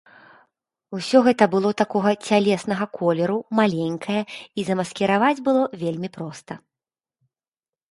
Усё гэта было такога цялеснага колеру, маленькае, і замаскіраваць было вельмі проста.